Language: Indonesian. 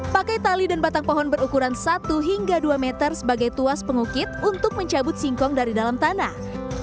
pakai tali dan batang pohon berukuran satu hingga dua meter sebagai tuas pengukit untuk mencabut singkong dari dalam tanah